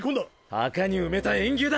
墓に埋めた炎牛だ！